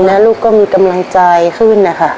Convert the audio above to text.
แล้วลูกก็มีกำลังใจขึ้นนะคะ